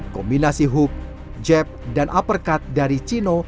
kombinasi hub jab dan uppercut dari chino